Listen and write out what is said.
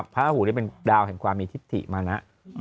พระทะหูเนี่ยเป็นดาวแห่งความมีทิศิมานะ